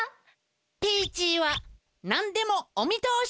ピーチーはなんでもお見とおしです！